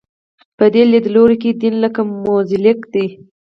په دې لیدلوري کې دین لکه موزاییک دی.